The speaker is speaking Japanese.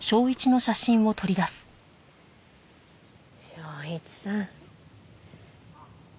昇一さん。